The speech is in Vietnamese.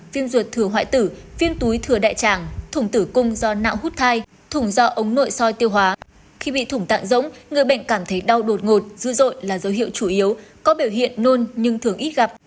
khi bị thủng tạng rỗng người bệnh cảm thấy đau đột ngột dữ dội là dấu hiệu chủ yếu có biểu hiện nôn nhưng thường ít gặp